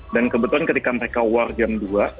dan kebetulan ketika mereka award jam dua